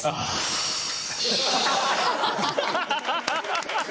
ハハハハ！